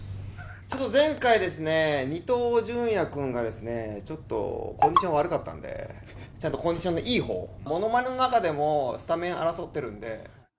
ちょっと前回ですね、似東純也君が、ちょっとコンディション悪かったんで、ちゃんとコンディションのいいほう、ものまねの中でも、スタメン争ってるんで。